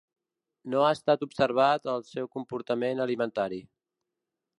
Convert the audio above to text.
No ha estat observat el seu comportament alimentari.